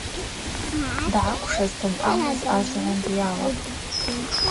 Дгӏаквшвазтын – амыз ажвгӏванд йалапӏ.